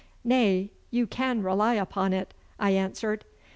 'Nay, you can rely upon it,' I answered.